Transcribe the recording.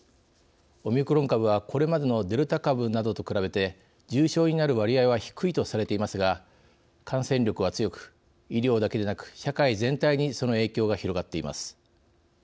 オミクロン株はこれまでのデルタ株などと比べて重症になる割合は低いとされていますが感染力は強く医療だけでなく社会全体にその影響が広がっています。